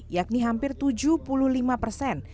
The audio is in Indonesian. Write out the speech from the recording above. yakni hampir tujuh puluh lima persen